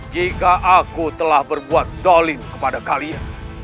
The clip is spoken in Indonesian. jika aku telah berbuat zolim kepada kalian